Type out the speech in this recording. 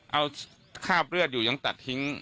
เอาคราบเลือดอยู่ยังตัดทิ้ง